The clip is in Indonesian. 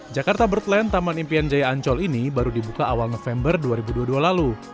jakarta birdland taman impian jaya ancol ini baru dibuka awal november dua ribu dua puluh dua lalu